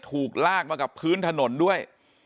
ถูกลากมากับพื้นถนนด้วย